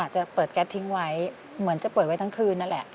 จะเปิดแก๊สทิ้งไว้เหมือนจะเปิดไว้ทั้งคืนนั่นแหละ